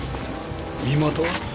身元は？